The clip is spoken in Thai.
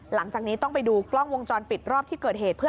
หลังจากนี้ต้องไปดูกล้องวงจรปิดรอบที่เกิดเหตุเพื่อ